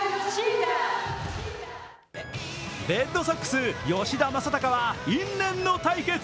レッドソックス・吉田正尚は因縁の対決。